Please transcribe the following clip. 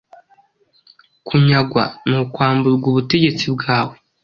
Kunyagwa: ni ukwamburwa ubutegetsi bwawe.